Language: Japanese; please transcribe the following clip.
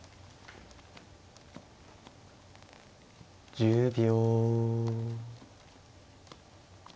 １０秒。